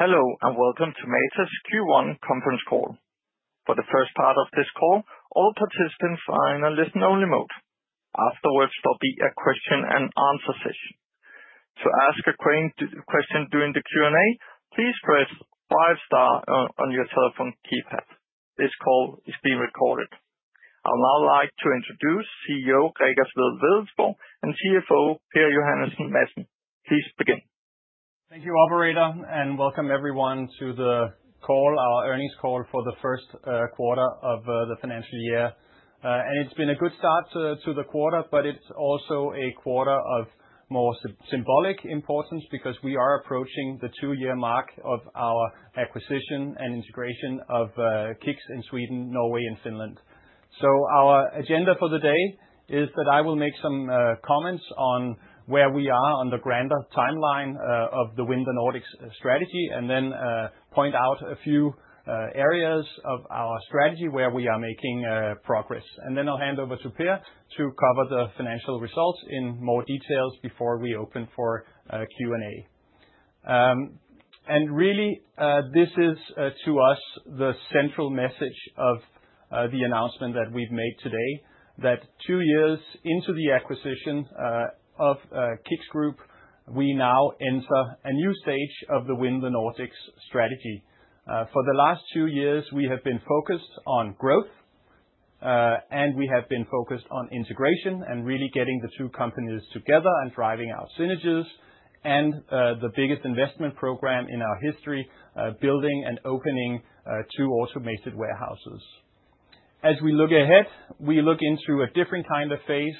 Hello, and welcome to Matas Q1 Conference Call. For the first part of this call, all participants are in a listen-only mode. Afterwards, there will be a question and answer session. To ask a question during the Q&A, please press five stars on your telephone keypad. This call is being recorded. I would now like to introduce CEO Gregers Wedell-Wedellsborg and CFO Per Johannesen Madsen. Please begin. Thank you, operator, and welcome everyone to the call, our earnings call for the first quarter of the financial year. It's been a good start to the quarter, but it's also a quarter of more symbolic importance because we are approaching the two-year mark of our acquisition and integration of KICKS in Sweden, Norway, and Finland. Our agenda for the day is that I will make some comments on where we are on the grander timeline of the Win the Nordics strategy, and then point out a few areas of our strategy where we are making progress. I'll hand over to Per to cover the financial results in more detail before we open for Q&A. This is to us the central message of the announcement that we've made today, that two years into the acquisition of KICKS Group, we now enter a new stage of the Win the Nordics strategy. For the last two years, we have been focused on growth, and we have been focused on integration and really getting the two companies together and driving out synergies. The biggest investment program in our history, building and opening two automated warehouses. As we look ahead, we look into a different kind of phase,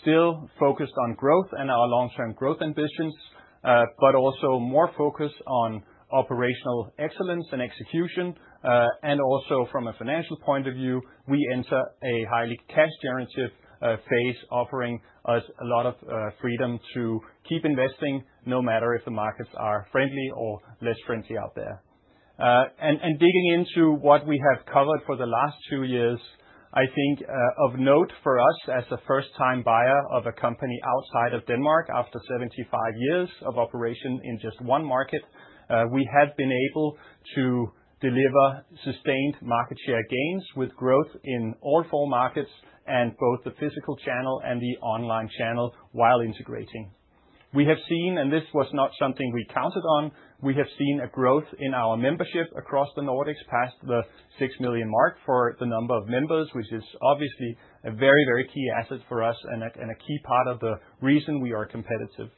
still focused on growth and our long-term growth ambitions, but also more focused on operational excellence and execution. Also from a financial point of view, we enter a highly cash-generative phase, offering us a lot of freedom to keep investing no matter if the markets are friendly or less friendly out there. Digging into what we have covered for the last two years, I think of note for us as a first-time buyer of a company outside of Denmark after 75 years of operation in just one market, we have been able to deliver sustained market share gains with growth in all four markets and both the physical channel and the online channel while integrating. We have seen, and this was not something we counted on, we have seen a growth in our membership across the Nordics past the six million mark for the number of members, which is obviously a very, very key asset for us and a key part of the reason we are competitive.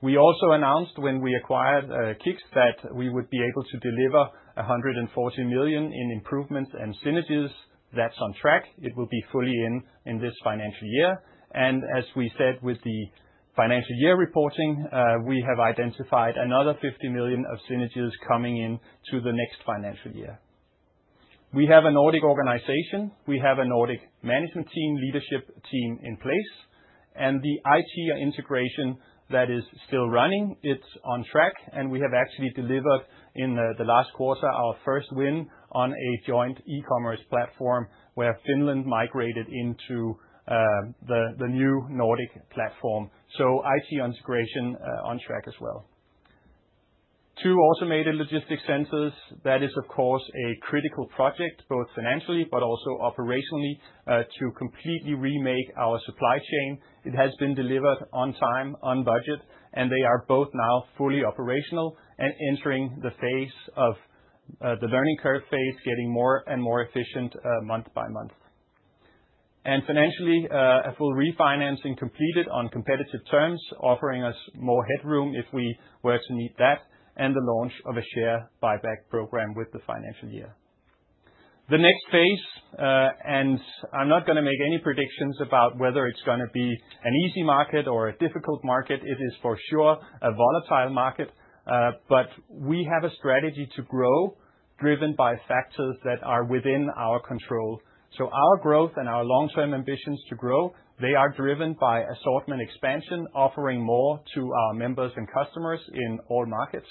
We also announced when we acquired KICKS that we would be able to deliver 140 million in improvements and synergies. That's on track. It will be fully in in this financial year. As we said with the financial year reporting, we have identified another 50 million of synergies coming in to the next financial year. We have a Nordic organization. We have a Nordic management team, leadership team in place. The IT integration that is still running is on track. We have actually delivered in the last quarter our first win on a joint e-commerce platform where Finland migrated into the new Nordic platform. IT integration is on track as well. Two automated logistics centers, that is of course a critical project both financially and operationally, to completely remake our supply chain. It has been delivered on time, on budget, and they are both now fully operational and entering the learning curve phase, getting more and more efficient month by month. Financially, a full refinancing was completed on competitive terms, offering us more headroom if we were to need that, and the launch of a share buyback program with the financial year. The next phase, and I'm not going to make any predictions about whether it's going to be an easy market or a difficult market, it is for sure a volatile market. We have a strategy to grow driven by factors that are within our control. Our growth and our long-term ambitions to grow are driven by assortment expansion, offering more to our members and customers in all markets.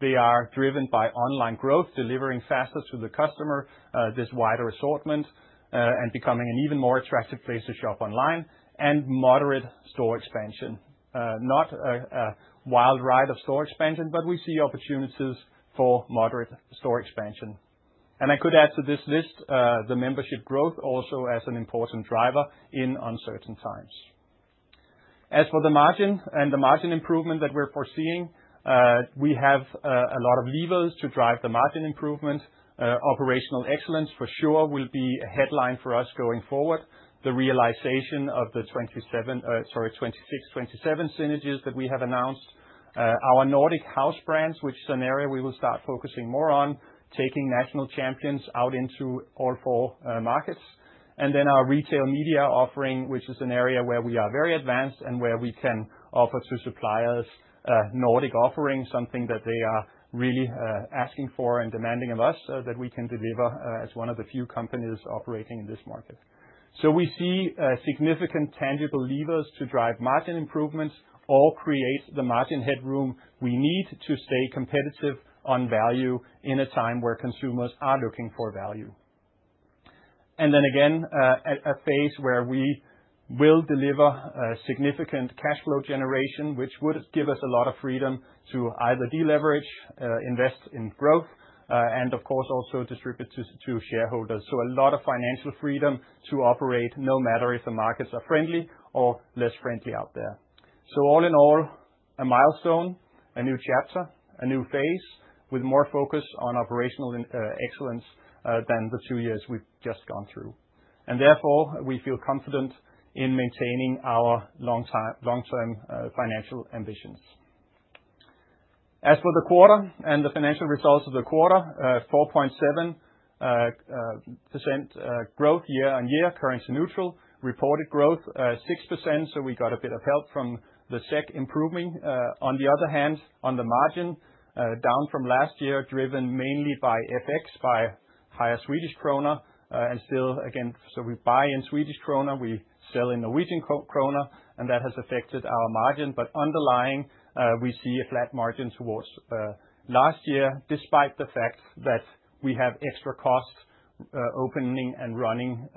They are driven by online growth, delivering faster to the customer this wider assortment and becoming an even more attractive place to shop online, and moderate store expansion. Not a wild ride of store expansion, but we see opportunities for moderate store expansion. I could add to this list the membership growth also as an important driver in uncertain times. As for the margin and the margin improvement that we're foreseeing, we have a lot of levers to drive the margin improvement. Operational excellence for sure will be a headline for us going forward. The realization of the 2026, 2027 synergies that we have announced, our Nordic house brands, which is an area we will start focusing more on, taking national champions out into all four markets. Our retail media offerings, which is an area where we are very advanced and where we can offer to suppliers Nordic offerings, something that they are really asking for and demanding of us so that we can deliver as one of the few companies operating in this market. We see significant, tangible levers to drive margin improvements or create the margin headroom we need to stay competitive on value in a time where consumers are looking for value. Then again, a phase where we will deliver significant cash flow generation, which would give us a lot of freedom to either deleverage, invest in growth, and of course also distribute to shareholders. A lot of financial freedom to operate no matter if the markets are friendly or less friendly out there. All in all, a milestone, a new chapter, a new phase with more focus on operational excellence than the two years we've just gone through. Therefore, we feel confident in maintaining our long-term financial ambitions. As for the quarter and the financial results of the quarter, 4.7% growth year on year, currency-neutral. Reported growth 6%, so we got a bit of help from the SEK improving. On the other hand, on the margin, down from last year, driven mainly by FX, by higher Swedish krona. Still, again, we buy in Swedish krona, we sell in Norwegian krone, and that has affected our margin. Underlying, we see a flat margin towards last year, despite the fact that we have extra costs opening and running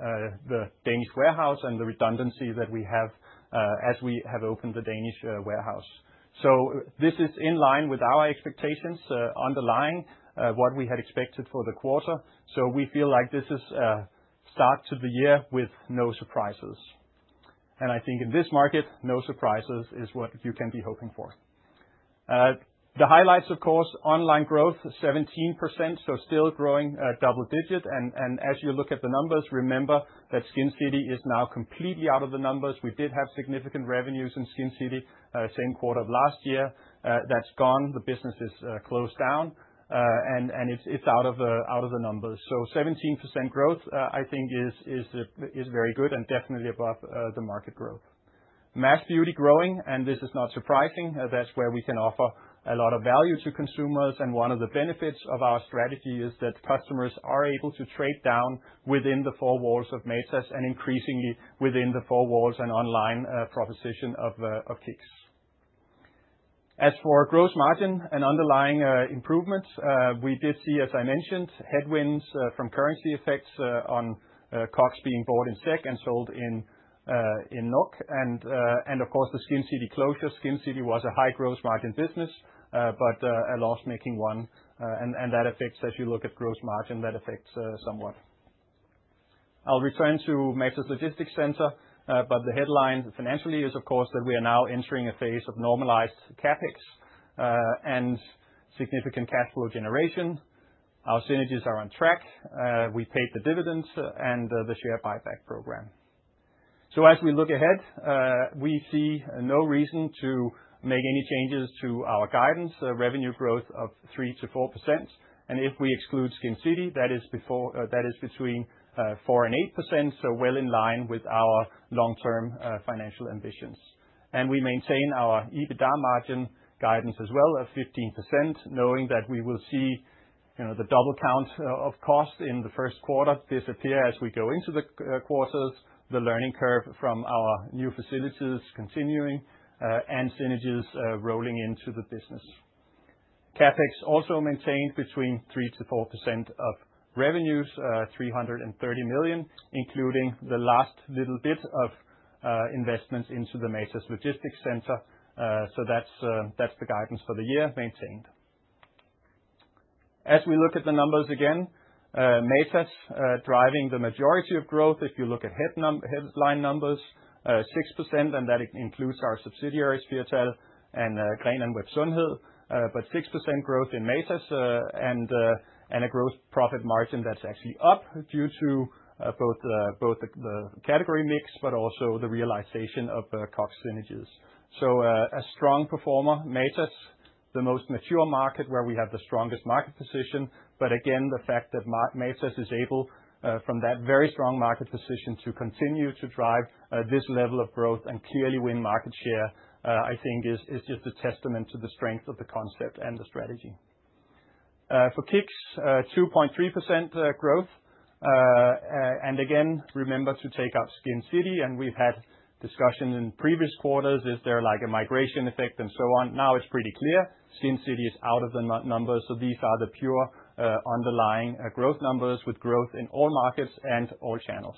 the Danish warehouse and the redundancy that we have as we have opened the Danish warehouse. This is in line with our expectations, underlying what we had expected for the quarter. We feel like this is a start to the year with no surprises. I think in this market, no surprises is what you can be hoping for. The highlights, of course, online growth 17%, still growing double digit. As you look at the numbers, remember that Skincity is now completely out of the numbers. We did have significant revenues in Skincity, same quarter of last year. That's gone. The business is closed down, and it's out of the numbers. 17% growth, I think, is very good and definitely above the market growth. Mass beauty growing, and this is not surprising. That's where we can offer a lot of value to consumers. One of the benefits of our strategy is that customers are able to trade down within the four walls of Matas and increasingly within the four walls and online proposition of KICKS. As for gross margin and underlying improvements, we did see, as I mentioned, headwinds from currency effects on COGS being bought in SEK and sold in NOK. Of course, the Skincity closure. Skincity was a high gross margin business, but a loss-making one. That affects, if you look at gross margin, that affects somewhat. I'll return to Matas Logistics Center, but the headline financially is, of course, that we are now entering a phase of normalized CapEx and significant cash flow generation. Our synergies are on track. We paid the dividends and the share buyback program. As we look ahead, we see no reason to make any changes to our guidance. The revenue growth of 3%-4%. If we exclude Skincity, that is between 4% and 8%, so well in line with our long-term financial ambitions. We maintain our EBITDA margin guidance as well of 15%, knowing that we will see the double count of cost in the first quarter disappear as we go into the quarters, the learning curve from our new facilities continuing, and synergies rolling into the business. CapEx also maintained between 3%-4% of revenues, 330 million, including the last little bit of investments into the Matas Logistics Center. That's the guidance for the year maintained. As we look at the numbers again, Matas driving the majority of growth. If you look at headline numbers, 6%, and that includes our subsidiaries, Firtal and Grøn & Sundhed. 6% growth in Matas and a gross profit margin that's actually up due to both the category mix, but also the realization of KICKS synergies. A strong performer, Matas, the most mature market where we have the strongest market position. The fact that Matas is able, from that very strong market position, to continue to drive this level of growth and clearly win market share, I think is just a testament to the strength of the concept and the strategy. For KICKS, 2.3% growth. Remember to take out Skincity. We've had discussion in previous quarters, is there like a migration effect and so on. Now it's pretty clear. Skincity is out of the numbers. These are the pure underlying growth numbers with growth in all markets and all channels.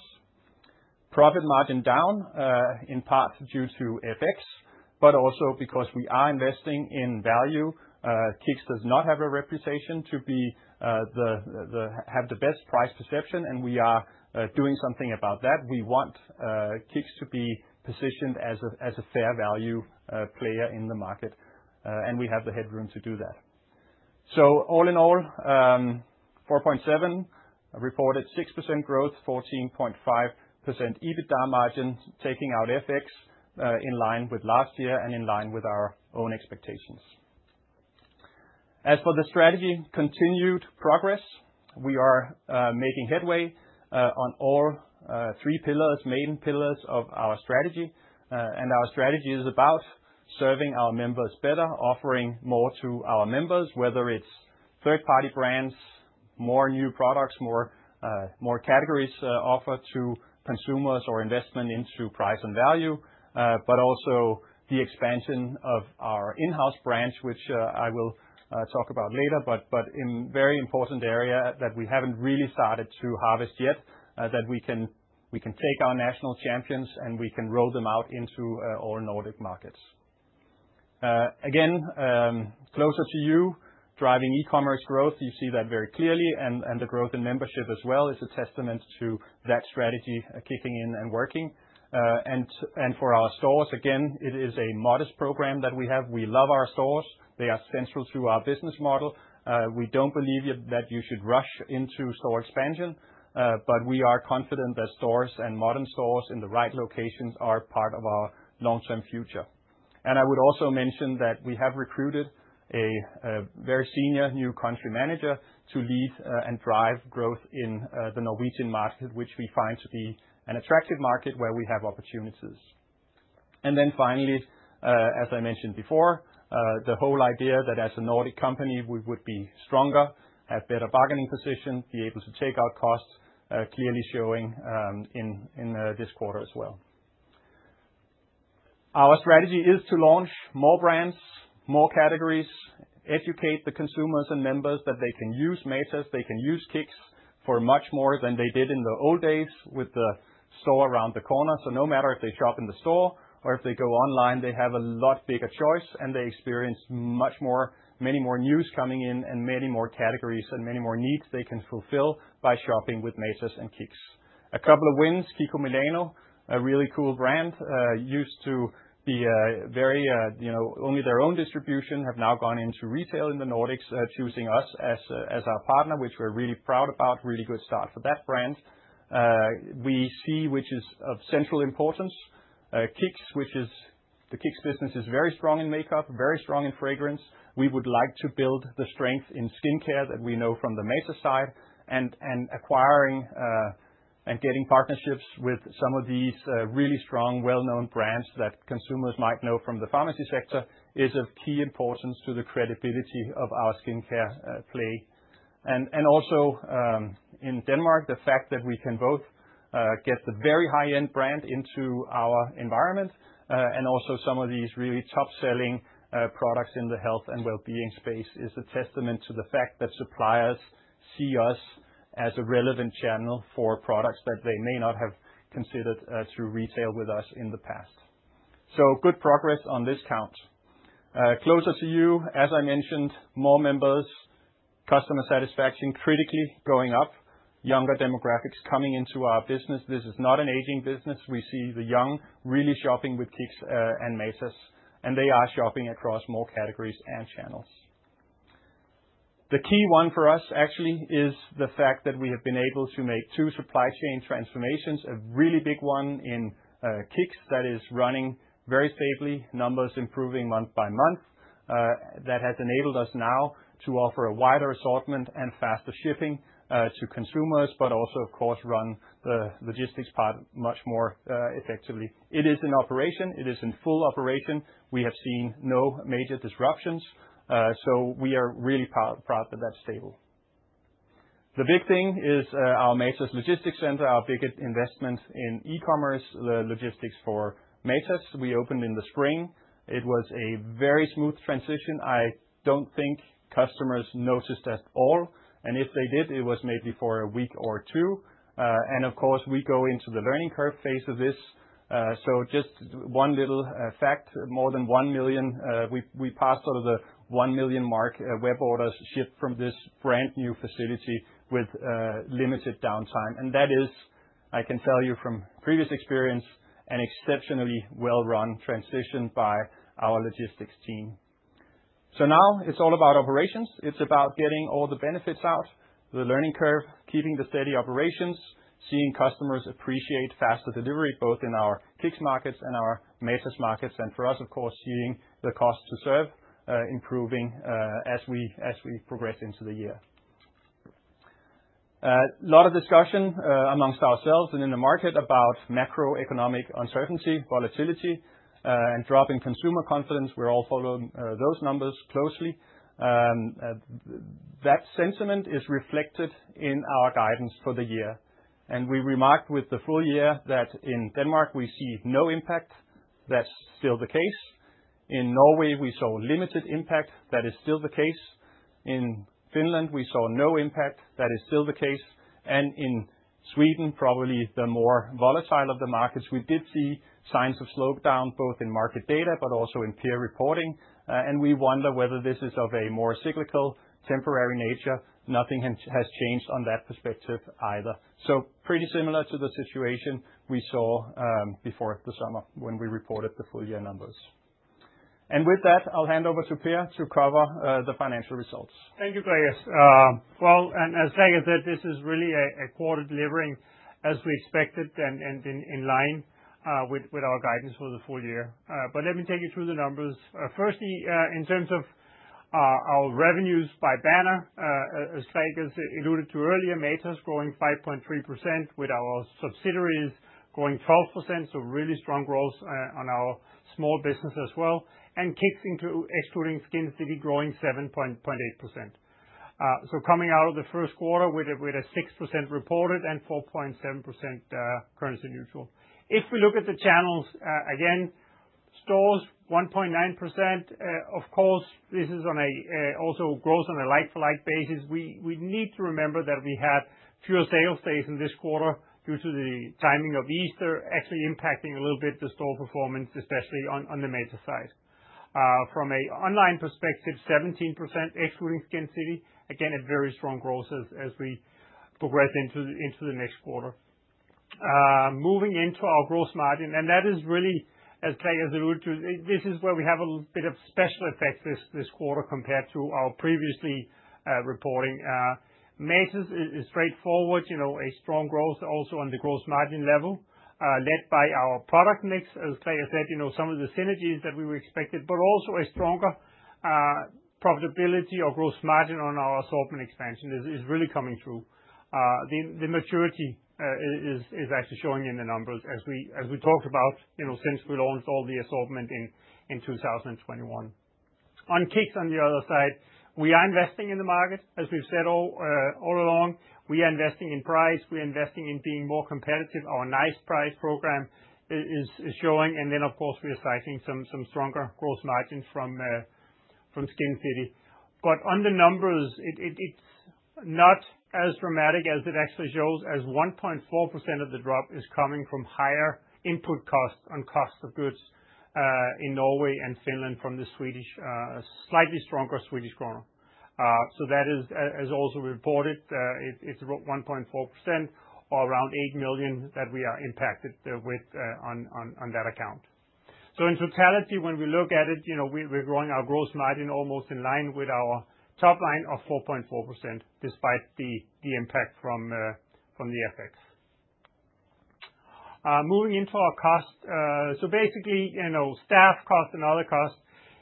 Profit margin down in part due to FX, but also because we are investing in value. KICKS does not have a reputation to have the best price perception, and we are doing something about that. We want KICKS to be positioned as a fair value player in the market. We have the headroom to do that. All in all, 4.7% reported, 6% growth, 14.5% EBITDA margins, taking out FX in line with last year and in line with our own expectations. As for the strategy, continued progress. We are making headway on all three pillars, main pillars of our strategy. Our strategy is about serving our members better, offering more to our members, whether it's third-party brands, more new products, more categories offered to consumers, or investment into price and value, but also the expansion of our in-house brand, which I will talk about later. In a very important area that we haven't really started to harvest yet, we can take our national champions and roll them out into all Nordic markets. Closer to you, driving e-commerce growth, you see that very clearly, and the growth in membership as well is a testament to that strategy kicking in and working. For our stores, it is a modest program that we have. We love our stores. They are central to our business model. We don't believe that you should rush into store expansion, but we are confident that stores and modern stores in the right locations are part of our long-term future. I would also mention that we have recruited a very senior new Country Manager to lead and drive growth in the Norwegian market, which we find to be an attractive market where we have opportunities. Finally, as I mentioned before, the whole idea that as a Nordic company, we would be stronger, have better bargaining position, and be able to take out costs is clearly showing in this quarter as well. Our strategy is to launch more brands, more categories, educate the consumers and members that they can use Matas, they can use KICKS for much more than they did in the old days with the store around the corner. No matter if they shop in the store or if they go online, they have a lot bigger choice and they experience much more, many more news coming in, and many more categories and many more needs they can fulfill by shopping with Matas and KICKS. A couple of wins: KIKO Milano, a really cool brand, used to be only their own distribution, have now gone into retail in the Nordics, choosing us as our partner, which we're really proud about. Really good start for that brand. We see, which is of central importance, KICKS, which is the KICKS business, is very strong in makeup, very strong in fragrance. We would like to build the strength in skincare that we know from the Matas side, and acquiring and getting partnerships with some of these really strong, well-known brands that consumers might know from the pharmacy sector is of key importance to the credibility of our skincare play. Also in Denmark, the fact that we can both get the very high-end brand into our environment and some of these really top-selling products in the health and wellbeing space is a testament to the fact that suppliers see us as a relevant channel for products that they may not have considered through retail with us in the past. Good progress on this count. Closer to you, as I mentioned, more members, customer satisfaction critically going up, younger demographics coming into our business. This is not an aging business. We see the young really shopping with KICKS and Matas, and they are shopping across more categories and channels. The key one for us actually is the fact that we have been able to make two supply chain transformations, a really big one in KICKS that is running very safely, numbers improving month by month. That has enabled us now to offer a wider assortment and faster shipping to consumers, but also, of course, run the logistics part much more effectively. It is in operation. It is in full operation. We have seen no major disruptions. We are really proud that that's stable. The big thing is our Matas Logistics Center, our biggest investment in e-commerce, the logistics for Matas. We opened in the spring. It was a very smooth transition. I don't think customers noticed at all. If they did, it was maybe for a week or two. Of course, we go into the learning curve phase of this. Just one little fact, more than 1 million, we passed the 1 million mark web orders shipped from this brand new facility with limited downtime. That is, I can tell you from previous experience, an exceptionally well-run transition by our logistics team. Now it's all about operations. It's about getting all the benefits out, the learning curve, keeping the steady operations, seeing customers appreciate faster delivery both in our KICKS markets and our Matas markets. For us, of course, seeing the costs to serve improving as we progress into the year. A lot of discussion amongst ourselves and in the market about macroeconomic uncertainty, volatility, and drop in consumer confidence. We're all following those numbers closely. That sentiment is reflected in our guidance for the year. We remarked with the full year that in Denmark, we see no impact. That's still the case. In Norway, we saw limited impact. That is still the case. In Finland, we saw no impact. That is still the case. In Sweden, probably the more volatile of the markets, we did see signs of slowdown both in market data, but also in peer reporting. We wonder whether this is of a more cyclical, temporary nature. Nothing has changed on that perspective either. Pretty similar to the situation we saw before the summer when we reported the full year numbers. With that, I'll hand over to Per to cover the financial results. Thank you, Gregers. As Gregers said, this is really a quarter delivering as we expected and in line with our guidance for the full year. Let me take you through the numbers. Firstly, in terms of our revenues by banner, as Gregers has alluded to earlier, Matas growing 5.3% with our subsidiaries growing 12%. Really strong growth on our small business as well. KICKS, excluding Skincity, growing 7.8%. Coming out of the first quarter with a 6% reported and 4.7% currency-neutral. If we look at the channels again, stores 1.9%. Of course, this is also growth on a like-for-like basis. We need to remember that we have fewer sales days in this quarter due to the timing of Easter actually impacting a little bit the store performance, especially on the Matas side. From an online perspective, 17% excluding Skincity. Again, a very strong growth as we progress into the next quarter. Moving into our gross margin, and that is really, as Gregers has alluded to, this is where we have a little bit of special effects this quarter compared to our previous reporting. Matas is straightforward, you know, a strong growth also on the gross margin level led by our product mix. As Gregers said, some of the synergies that we were expected, but also a stronger profitability or gross margin on our assortment expansion is really coming through. The maturity is actually showing in the numbers as we talked about since we launched all the assortment in 2021. On KICKS, on the other side, we are investing in the market. As we've said all along, we are investing in price. We're investing in being more competitive. Our nice price program is showing. Then, of course, we are citing some stronger gross margins from Skincity. On the numbers, it's not as dramatic as it actually shows as 1.4% of the drop is coming from higher input costs on cost of goods in Norway and Finland from the slightly stronger Swedish krona. That has also reported it's about 1.4% or around 8 million that we are impacted with on that account. In totality, when we look at it, we're growing our gross margin almost in line with our top line of 4.4% despite the impact from the FX. Moving into our cost, basically, staff cost and other costs.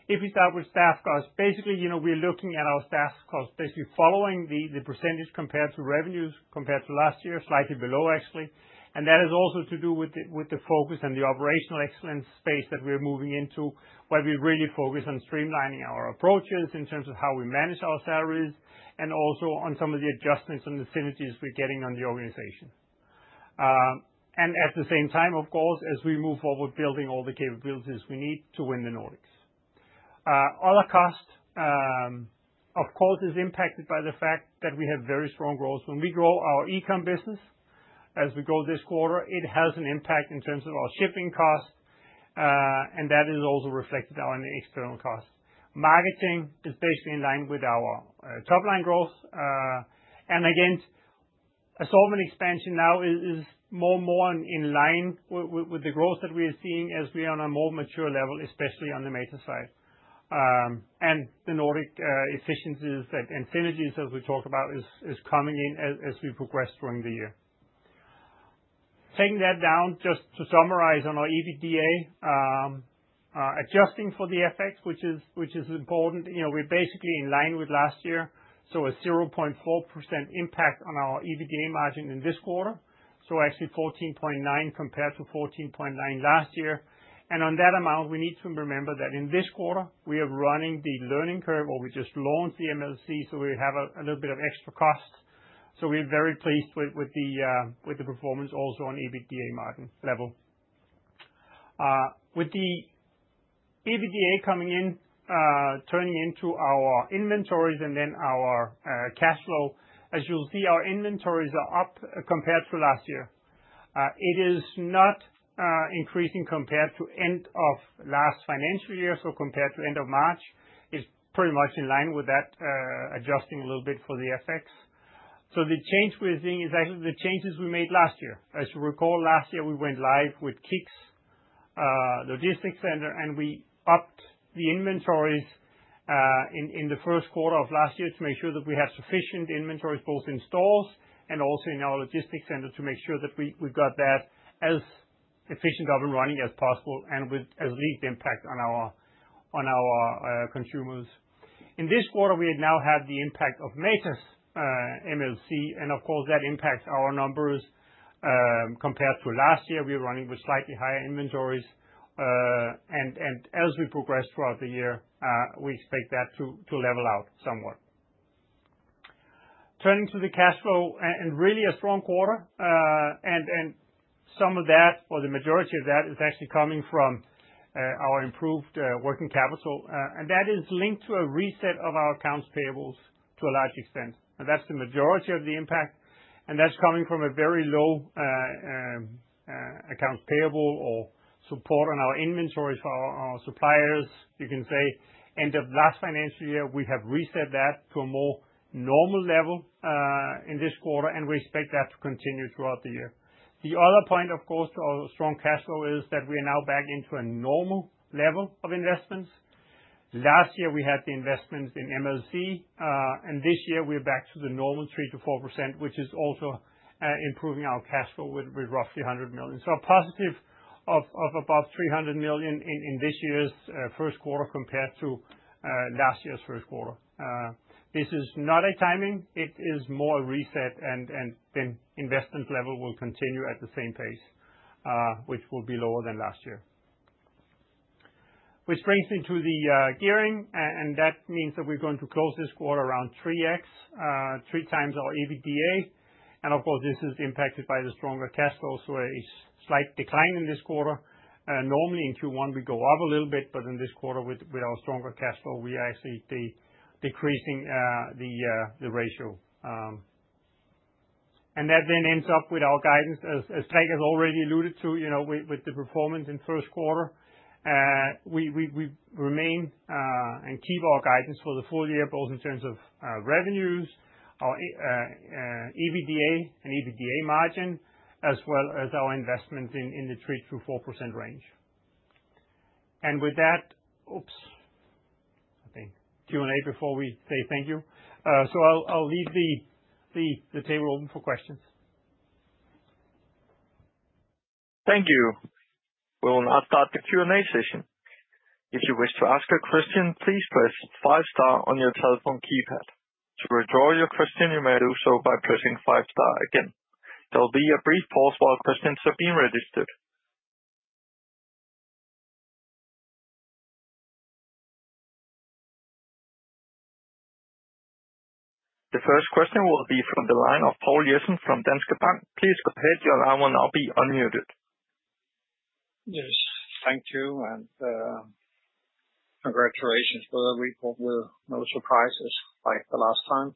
If we start with staff cost, we're looking at our staff costs basically following the percentage compared to revenues compared to last year, slightly below actually. That is also to do with the focus and the operational excellence space that we're moving into where we really focus on streamlining our approaches in terms of how we manage our salaries and also on some of the adjustments and the synergies we're getting on the organization. At the same time, of course, as we move forward, building all the capabilities we need to win the Nordics. Other costs, of course, are impacted by the fact that we have very strong growth. When we grow our e-comm business, as we go this quarter, it has an impact in terms of our shipping costs, and that is also reflected on external costs. Marketing is basically in line with our top line growth. Again, assortment expansion now is more and more in line with the growth that we are seeing as we are on a more mature level, especially on the Matas side. The Nordic efficiencies and synergies, as we talked about, are coming in as we progress during the year. Taking that down, just to summarize on our EBITDA, adjusting for the FX, which is important, we're basically in line with last year. A 0.4% impact on our EBITDA margin in this quarter. Actually 14.9% compared to 14.9% last year. On that amount, we need to remember that in this quarter, we are running the learning curve or we just launched the MLC. We have a little bit of extra costs. We're very pleased with the performance also on EBITDA margin level. With the EBITDA coming in, turning into our inventories and then our cash flow, as you'll see, our inventories are up compared to last year. It is not increasing compared to end of last financial year, so compared to end of March, it's pretty much in line with that, adjusting a little bit for the FX. The change we're seeing is actually the changes we made last year. As you recall, last year we went live with KICKS, the logistics center, and we upped the inventories in the first quarter of last year to make sure that we had sufficient inventories both in stores and also in our logistics center to make sure that we got that as efficient of a running as possible with at least impact on our consumers. In this quarter, we now have the impact of Matas MLC, and of course, that impacts our numbers compared to last year. We're running with slightly higher inventories. As we progress throughout the year, we expect that to level out somewhat. Turning to the cash flow, a really strong quarter, and some of that, or the majority of that, is actually coming from our improved working capital. That is linked to a reset of our accounts payables to a large extent. That's the majority of the impact. That's coming from a very low accounts payable or support on our inventory for our suppliers. You can say end of last financial year, we have reset that to a more normal level in this quarter, and we expect that to continue throughout the year. The other point to our strong cash flow is that we are now back into a normal level of investments. Last year, we had the investments in MLC, and this year, we're back to the normal 3%-4%, which is also improving our cash flow with roughly 100 million. A positive of above 300 million in this year's first quarter compared to last year's first quarter. This is not a timing. It is more a reset, and then investment level will continue at the same pace, which will be lower than last year. Which brings me to the gearing, and that means that we're going to close this quarter around 3x, three times our EBITDA. Of course, this is impacted by the stronger cash flow. A slight decline in this quarter. Normally in Q1, we go up a little bit, but in this quarter, with our stronger cash flow, we are actually decreasing the ratio. That then ends up with our guidance. As Gregers has already alluded to, with the performance in the first quarter, we remain and keep our guidance for the full year, both in terms of revenues, our EBITDA and EBITDA margin, as well as our investments in the 3%-4% range. With that, I think Q&A before we say thank you. I'll leave the table open for questions. Thank you. We will now start the Q&A session. If you wish to ask a question, please press five stars on your telephone keypad. To withdraw your question, you may do so by pressing five stars again. There will be a brief pause while questions are being registered. The first question will be from the line of Poul Jessen from Danske Bank. Please go ahead, your line will now be unmuted. Yes, thank you. Congratulations for the report. No surprises like the last time.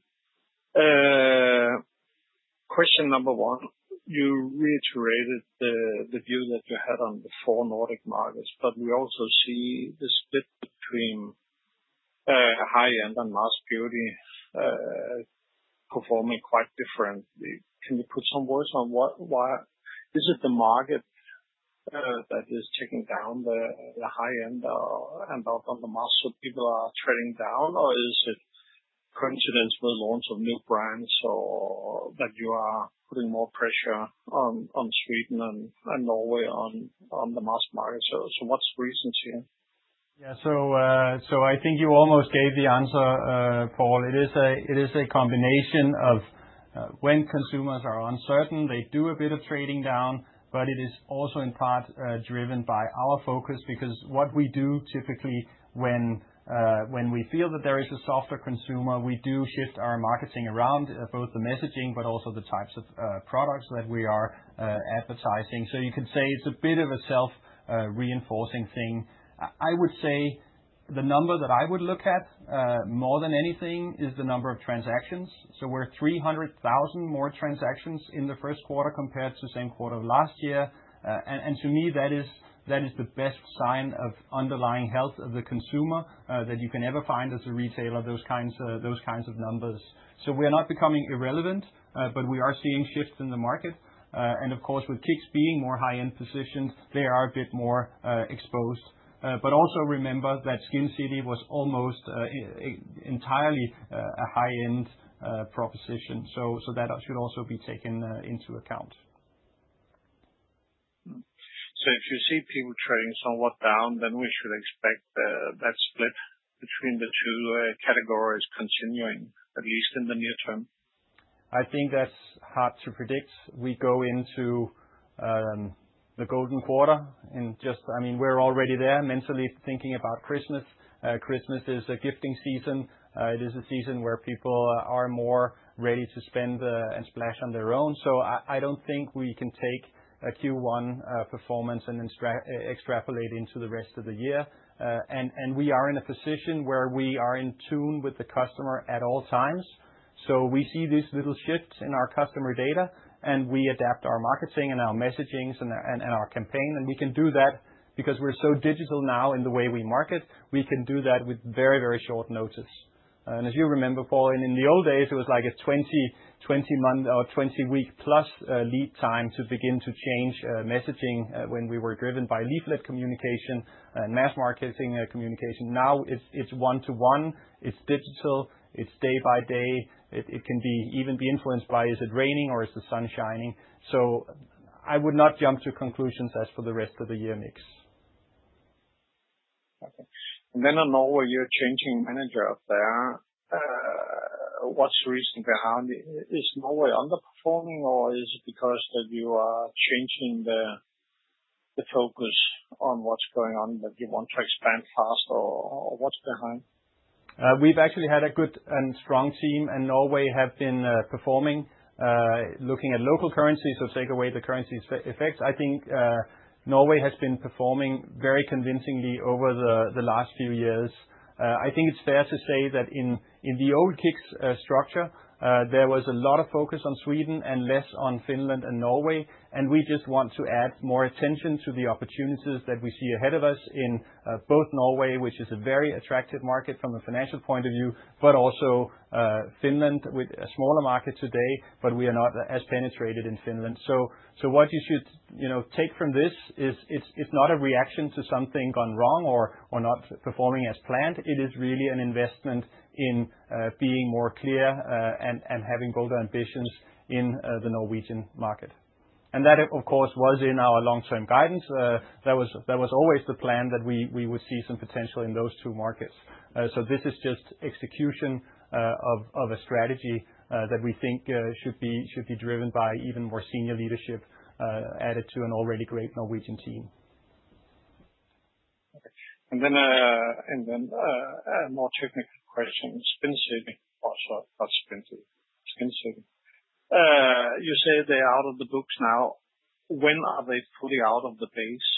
Question number one, you reiterated the view that you had on the four Nordic markets, but we also see the split between high-end and mass beauty performing quite differently. Can you put some words on why? Is it the market that is taking down the high-end and on the mass that people are trading down, or is it coincidence with launch of new brands or that you are putting more pressure on Sweden and Norway on the mass market? What's the reason here? Yeah. I think you almost gave the answer, Poul. It is a combination of when consumers are uncertain, they do a bit of trading down, but it is also in part driven by our focus because what we do typically when we feel that there is a softer consumer, we do shift our marketing around both the messaging but also the types of products that we are advertising. You can say it's a bit of a self-reinforcing thing. I would say the number that I would look at more than anything is the number of transactions. We're 300,000 more transactions in the first quarter compared to the same quarter of last year. To me, that is the best sign of underlying health of the consumer that you can ever find as a retailer, those kinds of numbers. We're not becoming irrelevant, but we are seeing shifts in the market. Of course, with KICKS being more high-end positioned, they are a bit more exposed. Also remember that Skincity was almost entirely a high-end proposition. That should also be taken into account. If you see people trading somewhat down, we should expect that split between the two categories continuing at least in the near term? I think that's hard to predict. We go into the golden quarter and, I mean, we're already there mentally thinking about Christmas. Christmas is a gifting season. It is a season where people are more ready to spend and splash on their own. I don't think we can take a Q1 performance and then extrapolate into the rest of the year. We are in a position where we are in tune with the customer at all times. We see this little shift in our customer data and we adapt our marketing and our messaging and our campaign. We can do that because we're so digital now in the way we market. We can do that with very, very short notice. As you remember, Poul, in the old days, it was like a 20-month or 20-week plus lead time to begin to change messaging when we were driven by leaflet communication and mass marketing communication. Now it's one-to-one. It's digital. It's day by day. It can even be influenced by is it raining or is the sun shining? I would not jump to conclusions as for the rest of the year mix. In Norway, you're changing manager up there. What's recently going on? Is Norway underperforming, or is it because you are changing the focus on what's going on, that you want to expand fast, or what's behind? We've actually had a good and strong team, and Norway has been performing. Looking at local currencies or taking away the currency effects, I think Norway has been performing very convincingly over the last few years. I think it's fair to say that in the old KICKS structure, there was a lot of focus on Sweden and less on Finland and Norway. We just want to add more attention to the opportunities that we see ahead of us in both Norway, which is a very attractive market from a financial point of view, but also Finland, with a smaller market today, but we are not as penetrated in Finland. What you should take from this is it's not a reaction to something gone wrong or not performing as planned. It is really an investment in being more clear and having bolder ambitions in the Norwegian market. That, of course, was in our long-term guidance. That was always the plan that we would see some potential in those two markets. This is just execution of a strategy that we think should be driven by even more senior leadership added to an already great Norwegian team. A more technical question. Skincity, you say they are out of the books now. When are they fully out of the base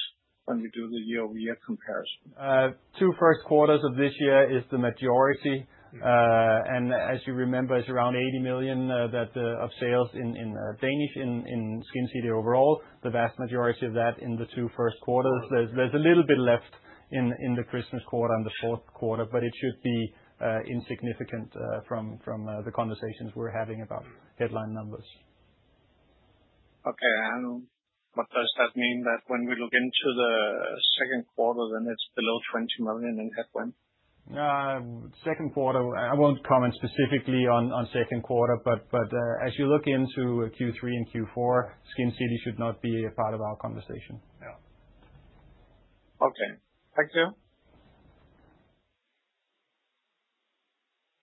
when we do the year-over-year comparison? two first quarters of this year is the majority. As you remember, it's around 80 million of sales in Skincity overall. The vast majority of that is in the two first quarters. There's a little bit left in the Christmas quarter and the fourth quarter, but it should be insignificant from the conversations we're having about headline numbers. Okay. I don't know. What does that mean? When we look into the second quarter, then it's below 20 million in headwind? Second quarter, I won't comment specifically on second quarter, but as you look into Q3 and Q4, Skincity should not be a part of our conversation. Okay. Thank you.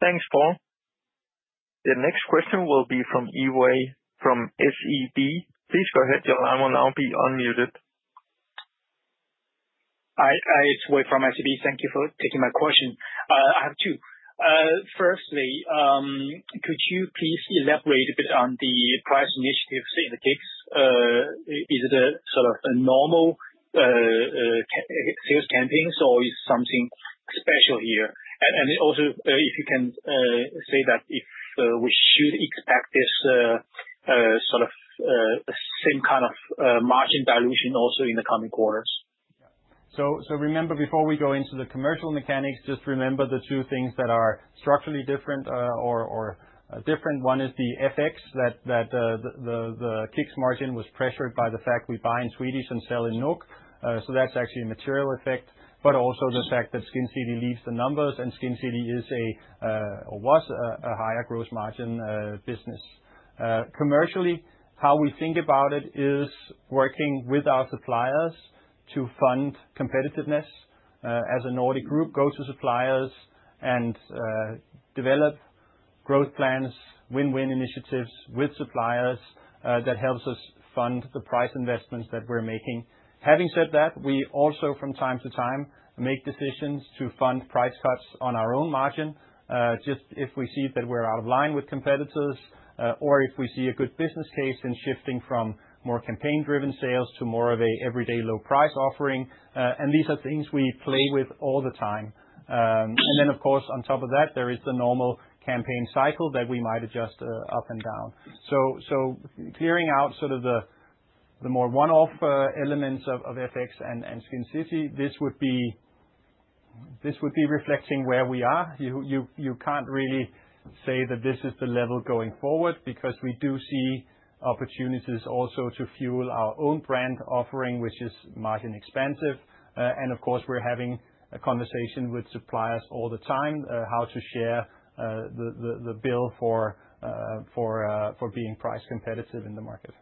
Thanks, Poul. The next question will be from [Eway] from SEB. Please go ahead, your line will now be unmuted. Thank you for taking my question. I have two. Firstly, could you please elaborate a bit on the product initiatives in the KICKS? Is it a sort of a normal sales campaign, or is something special here? Also, if you can say if we should expect this sort of the same kind of margin dilution in the coming quarters. Yeah. Remember, before we go into the commercial mechanics, just remember the two things that are structurally different. One is the FX, that the KICKS margin was pressured by the fact we buy in Swedish and sell in NOK. That's actually a material effect. Also, the fact that Skincity leaves the numbers, and Skincity is or was a higher gross margin business. Commercially, how we think about it is working with our suppliers to fund competitiveness as a Nordic group, go to suppliers and develop growth plans, win-win initiatives with suppliers that help us fund the price investments that we're making. Having said that, we also, from time to time, make decisions to fund price cuts on our own margin if we see that we're out of line with competitors or if we see a good business case in shifting from more campaign-driven sales to more of an everyday low-price offering. These are things we play with all the time. Of course, on top of that, there is a normal campaign cycle that we might adjust up and down. Clearing out the more one-off elements of FX and Skincity, this would be reflecting where we are. You can't really say that this is the level going forward because we do see opportunities also to fuel our own brand offering, which is margin expansive. Of course, we're having a conversation with suppliers all the time, how to share the bill for being price competitive in the market.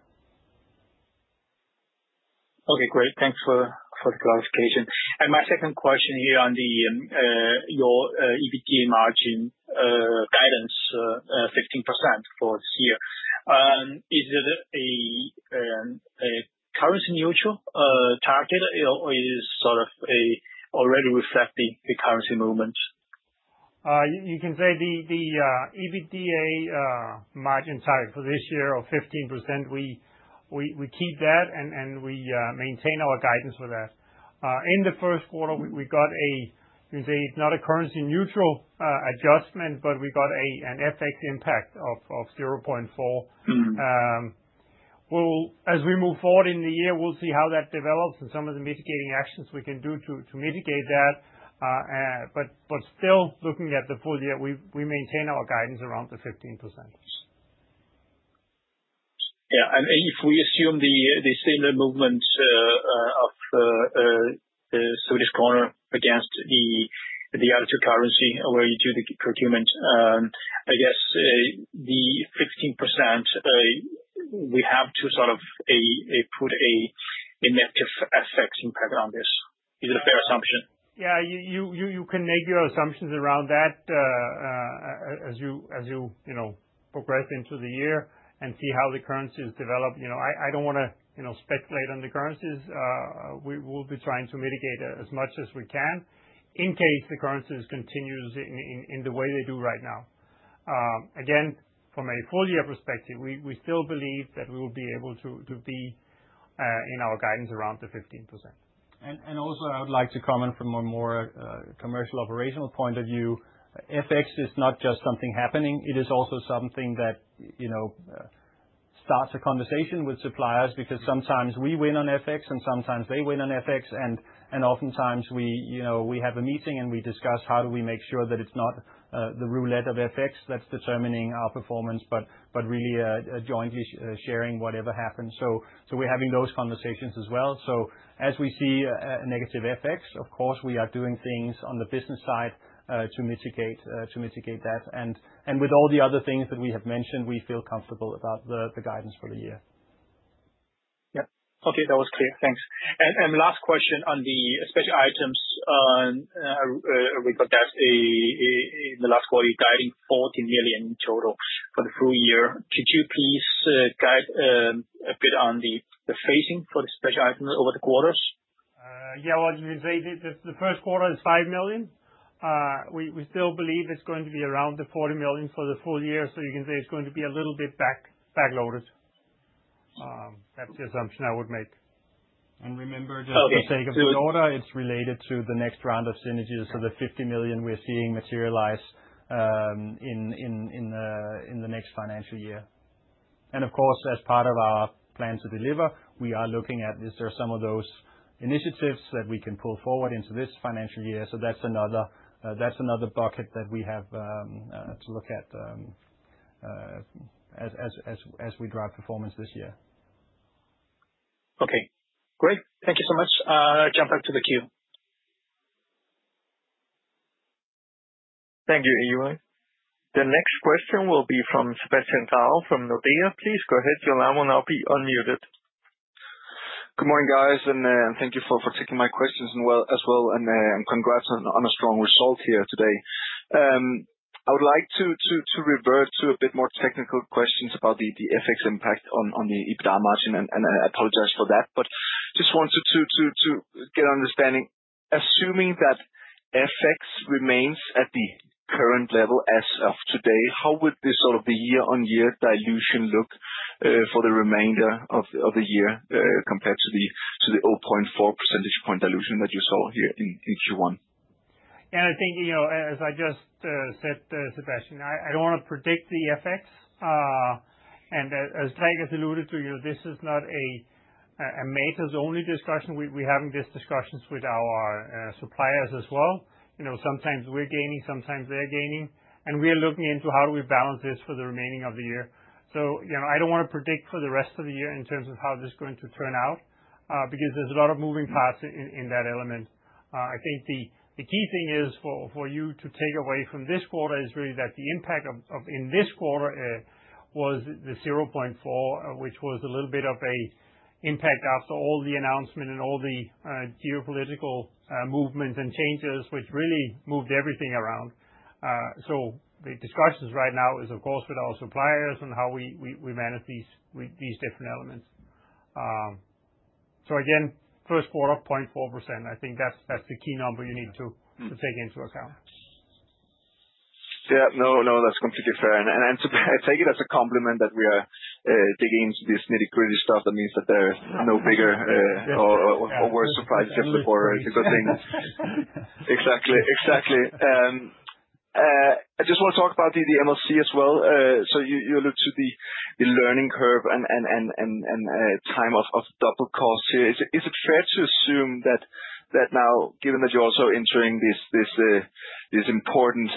Okay, great. Thanks for the clarification. My second question here on your EBITDA margin guidance, 15% for this year. Is it a currency-neutral target, or is it sort of already reflecting a currency movement? You can say the EBITDA margin target for this year of 15%, we keep that and we maintain our guidance with that. In the first quarter, we got a, you can say it's not a currency-neutral adjustment, but we got an FX impact of 0.4%. As we move forward in the year, we'll see how that develops and some of the mitigating actions we can do to mitigate that. Still, looking at the full year, we maintain our guidance around the 15%. If we assume the similar movements of Swedish krona against the other two currency where you do the procurement, I guess the 15%, we have to sort of put an effective FX impact on this. Is it a fair assumption? Yeah, you can make your assumptions around that as you progress into the year and see how the currency is developed. I don't want to speculate on the currencies. We'll be trying to mitigate as much as we can in case the currencies continue in the way they do right now. From a full-year perspective, we still believe that we will be able to be in our guidance around the 15%. I would also like to comment from a more commercial operational point of view. FX is not just something happening. It is also something that starts a conversation with suppliers because sometimes we win on FX and sometimes they win on FX. Oftentimes, we have a meeting and we discuss how do we make sure that it's not the roulette of FX that's determining our performance, but really jointly sharing whatever happens. We're having those conversations as well. As we see a negative FX, of course, we are doing things on the business side to mitigate that. With all the other things that we have mentioned, we feel comfortable about the guidance for the year. Okay, that was clear. Thanks. Last question on the special items. We got that in the last quarter, you guided 40 million in total for the full year. Could you please guide a bit on the phasing for the special items over the quarters? You can say the first quarter is 5 million. We still believe it's going to be around 40 million for the full year. You can say it's going to be a little bit backloaded. That's the assumption I would make. Remember just. For the sake of the order, it's related to the next round of synergies. The 50 million we're seeing materialize in the next financial year. Of course, as part of our plan to deliver, we are looking at, is there some of those initiatives that we can pull forward into this financial year? That's another bucket that we have to look at as we drive performance this year. Okay, great. Thank you so much. I'll jump back to the queue. Thank you, [Eway]. The next question will be from Sebastian Grave from Nordea. Please go ahead. Your line will now be unmuted. Good morning, guys, and thank you for taking my questions as well. Congrats on a strong result here today. I would like to revert to a bit more technical questions about the FX impact on the EBITDA margin, and I apologize for that. I just wanted to get an understanding. Assuming that FX remains at the current level as of today, how would this sort of the year-on-year dilution look for the remainder of the year compared to the 0.4% point dilution that you saw here in Q1? Yeah, I think, you know, as I just said, Sebastian, I don't want to predict the FX. As Gregers has alluded to, you know, this is not a Matas-only discussion. We're having these discussions with our suppliers as well. Sometimes we're gaining, sometimes they're gaining. We are looking into how do we balance this for the remaining of the year. I don't want to predict for the rest of the year in terms of how this is going to turn out because there's a lot of moving parts in that element. I think the key thing for you to take away from this quarter is really that the impact in this quarter was the 0.4%, which was a little bit of an impact after all the announcement and all the geopolitical movements and changes, which really moved everything around. The discussions right now are, of course, with our suppliers and how we manage these different elements. Again, first quarter, 0.4%. I think that's the key number you need to take into account. No, that's completely fair. I take it as a compliment that we are digging into this nitty-gritty stuff. That means there are no bigger or worse surprises of the quarter. It's a good thing. Exactly, exactly. I just want to talk about the MLC as well. You look to the learning curve and time of double cost here. Is it fair to assume that now, given that you're also entering this important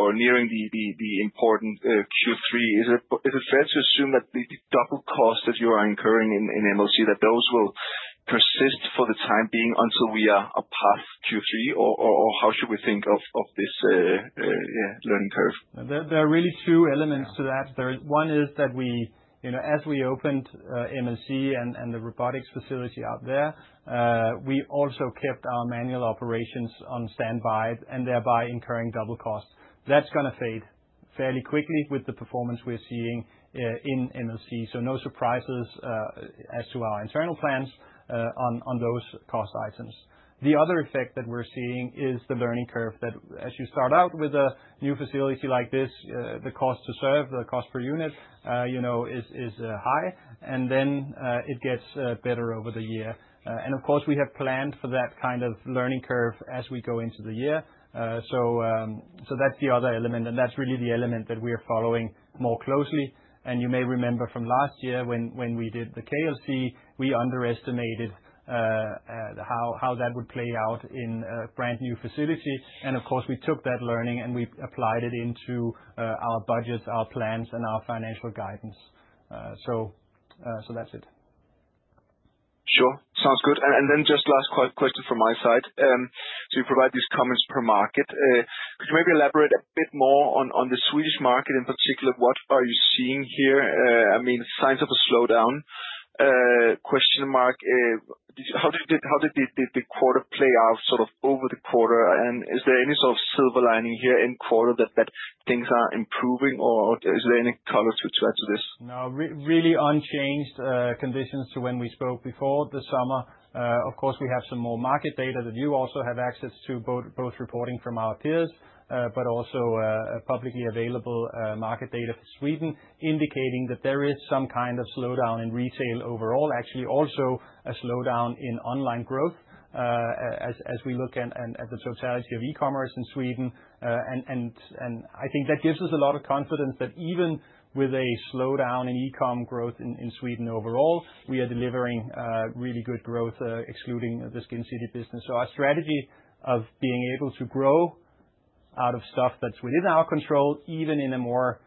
or nearing the important Q3, is it fair to assume that the double costs that you are incurring in MLC, that those will persist for the time being until we are past Q3? How should we think of this learning curve? There are really two elements to that. One is that we, you know, as we opened MLC and the robotics facility out there, we also kept our manual operations on standby and thereby incurring double costs. That's going to fade fairly quickly with the performance we're seeing in MLC. No surprises as to our internal plans on those cost items. The other effect that we're seeing is the learning curve that as you start out with a new facility like this, the cost to serve, the cost per unit, you know, is high. It gets better over the year. Of course, we have planned for that kind of learning curve as we go into the year. That's the other element, and that's really the element that we're following more closely. You may remember from last year when we did the KLC, we underestimated how that would play out in a brand new facility. Of course, we took that learning and we applied it into our budgets, our plans, and our financial guidance. That's it. Sure. Sounds good. Just last question from my side. You provide these comments per market. Could you maybe elaborate a bit more on the Swedish market in particular? What are you seeing here? I mean, signs of a slowdown? How did the quarter play out over the quarter? Is there any sort of silver lining here in the quarter that things are improving? Is there any color to add to this? No, really unchanged conditions to when we spoke before the summer. Of course, we have some more market data that you also have access to, both reporting from our peers, but also publicly available market data for Sweden, indicating that there is some kind of slowdown in retail overall, actually also a slowdown in online growth as we look at the totality of e-commerce in Sweden. I think that gives us a lot of confidence that even with a slowdown in e-com growth in Sweden overall, we are delivering really good growth, excluding the Skincity business. Our strategy of being able to grow out of stuff that's within our control, even in a more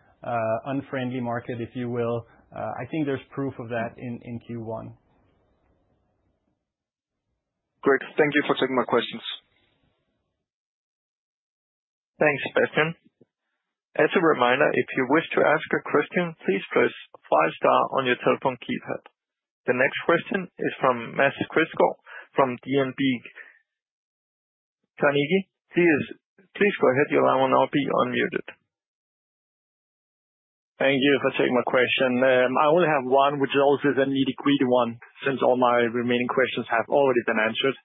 unfriendly market, if you will, I think there's proof of that in Q1. Great. Thank you for taking my questions. Thanks, Sebastian. As a reminder, if you wish to ask a question, please press five star on your telephone keypad. The next question is from Mads Quistgaard from DNB. Please go ahead. Your line will now be unmuted. Thank you for taking my question. I only have one, which is also a neat one since all my remaining questions have already been answered.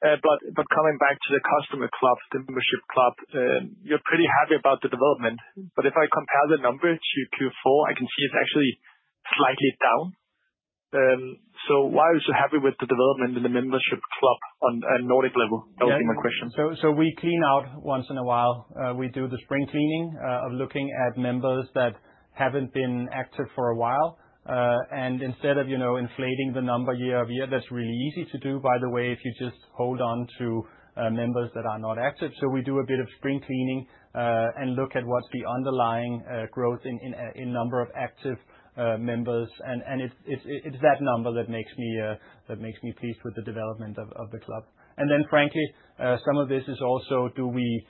Coming back to the customer club, the membership club, you're pretty happy about the development. If I compare the numbers to Q4, I can see it's actually slightly down. Why are you so happy with the development in the membership club on a Nordic level? That would be my question. We clean out once in a while. We do the spring cleaning of looking at members that haven't been active for a while. Instead of, you know, inflating the number year-over-year, that's really easy to do, by the way, if you just hold on to members that are not active. We do a bit of spring cleaning and look at what the underlying growth in the number of active members is. It's that number that makes me pleased with the development of the club. Frankly, some of this is also, do we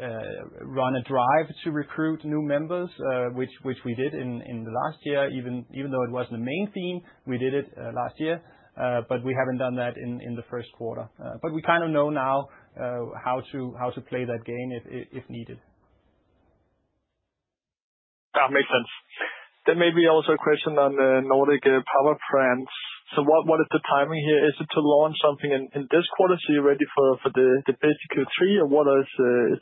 run a drive to recruit new members, which we did in the last year, even though it wasn't the main theme. We did it last year, but we haven't done that in the first quarter. We kind of know now how to play that game if needed. That makes sense. There may be also a question on the Nordic power plants. What is the timing here? Is it to launch something in this quarter? You're ready for the big Q3? What is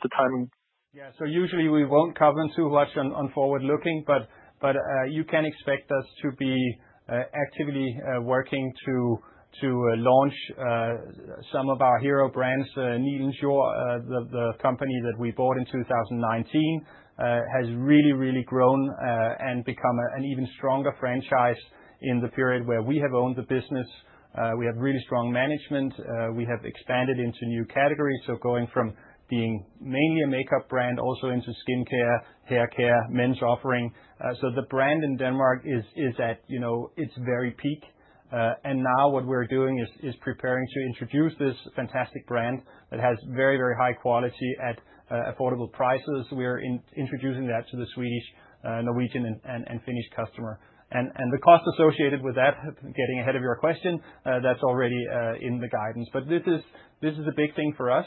the timing? Yeah, usually we won't cover too much on forward looking, but you can expect us to be actively working to launch some of our hero brands. Nilens Jord, the company that we bought in 2019, has really, really grown and become an even stronger franchise in the period where we have owned the business. We have really strong management. We have expanded into new categories, going from being mainly a makeup brand also into skincare, hair care, men's offering. The brand in Denmark is at its very peak. Now what we're doing is preparing to introduce this fantastic brand that has very, very high quality at affordable prices. We're introducing that to the Swedish, Norwegian, and Finnish customer. The cost associated with that, getting ahead of your question, that's already in the guidance. This is a big thing for us.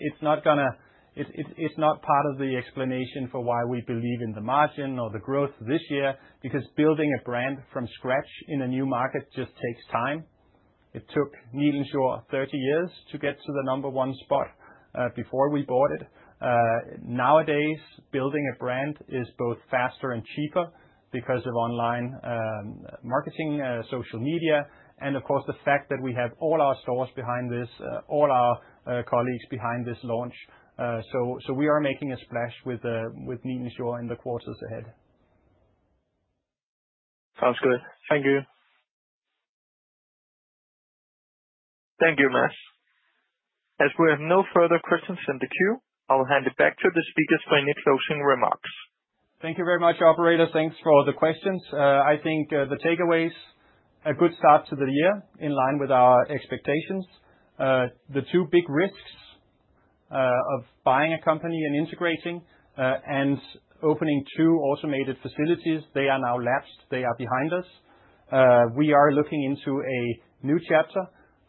It's not part of the explanation for why we believe in the margin or the growth this year, because building a brand from scratch in a new market just takes time. It took Nilens Jord 30 years to get to the number one spot before we bought it. Nowadays, building a brand is both faster and cheaper because of online marketing, social media, and of course the fact that we have all our source behind this, all our colleagues behind this launch. We are making a splash with Nilens Jord in the quarters ahead. Sounds good. Thank you. Thank you, Mads. As we have no further questions in the queue, I'll hand it back to the speakers for any closing remarks. Thank you very much, operator. Thanks for the questions. I think the takeaways, a good start to the year in line with our expectations. The two big risks of buying a company and integrating and opening two automated facilities, they are now lapsed. They are behind us. We are looking into a new chapter,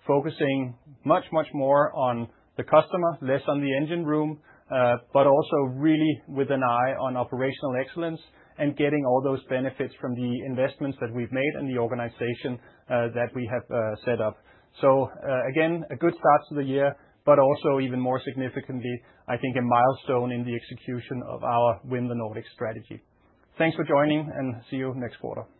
focusing much, much more on the customer, less on the engine room, but also really with an eye on operational excellence and getting all those benefits from the investments that we've made and the organization that we have set up. Again, a good start to the year, but also even more significantly, I think a milestone in the execution of our Win the Nordics strategy. Thanks for joining and see you next quarter.